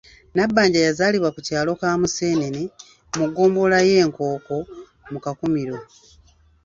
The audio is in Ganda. Nabbanja yazaalibwa ku kyalo Kamuseenene, mu ggombolola y’e Nkooko mu Kakumiro.